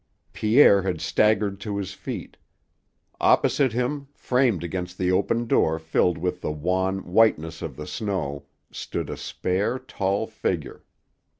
Pierre had staggered to his feet. Opposite him, framed against the open door filled with the wan whiteness of the snow, stood a spare, tall figure.